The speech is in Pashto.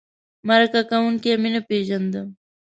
مرکه کوونکی مې نه پېژنده.